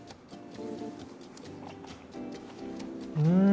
うん！